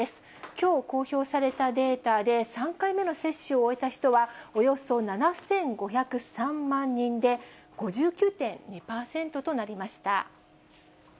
きょう公表されたデータで、３回目の接種を終えた人はおよそ７５０３万人で、５９．２％となりました。